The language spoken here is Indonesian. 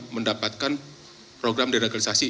mendapatkan program diradikalisasi